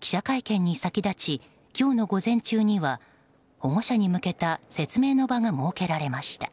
記者会見に先立ち今日の午前中には保護者に向けた説明の場が設けられました。